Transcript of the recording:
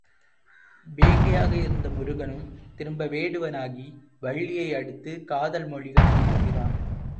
வேங்கையாக இருந்த முருகனும் திரும்ப வேடுவனாகி, வள்ளியை அடுத்து, காதல் மொழிகள் பேசுகிறான்.